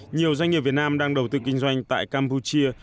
nhiều doanh nghiệp việt nam đang đầu tư kinh doanh tại campuchia